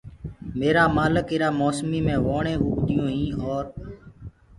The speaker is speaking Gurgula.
ميرآ مآلڪ ايٚرآ موسميٚ مي ووڻينٚ اوگديونٚ هينٚ اور